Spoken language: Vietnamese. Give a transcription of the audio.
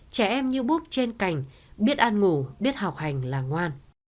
trẻ em như búp trên cành biết ăn ngủ biết học hành là ngoan